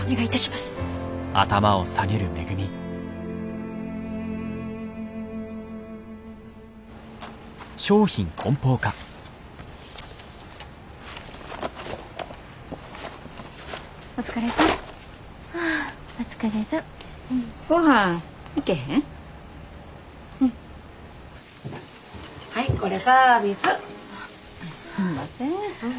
すんません。